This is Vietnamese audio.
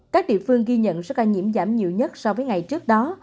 các địa phương ghi nhận số ca nhiễm giảm nhiều nhất so với ngày trước đó